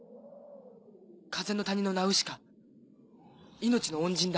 風の谷のナウシカ命の恩人だ。